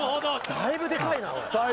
だいぶでかいなおい。